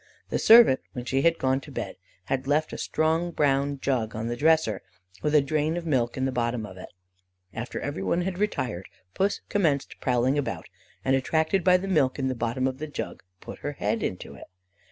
The servant, when she had gone to bed, had left a strong brown jug on the dresser, with a drain of milk in the bottom of it. After everyone had retired, Puss commenced prowling about, and, attracted by the milk in the bottom of the jug, put her head into it.